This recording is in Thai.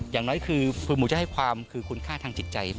อย่างน้อยคือคุณหมูจะให้ความคือคุณค่าทางจิตใจ